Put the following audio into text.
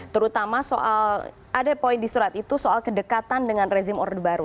terutama soal ada poin di surat itu soal kedekatan dengan rezim orde baru